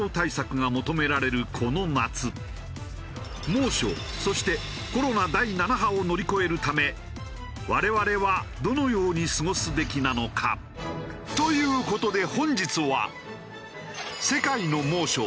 猛暑そしてコロナ第７波を乗り越えるため我々はどのように過ごすべきなのか？という事で本日は。